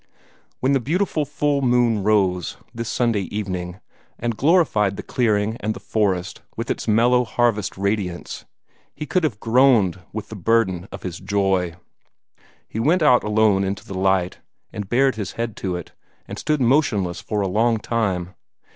When the beautiful full moon rose, this Sunday evening, and glorified the clearing and the forest with its mellow harvest radiance, he could have groaned with the burden of his joy. He went out alone into the light, and bared his head to it, and stood motionless for a long time.